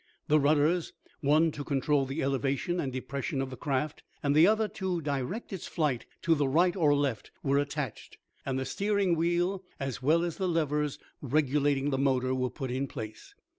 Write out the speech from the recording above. The rudders, one to control the elevation and depression of the craft, and the other to direct its flight to the right or left, were attached, and the steering wheel, as well as the levers regulating the motor were put in place.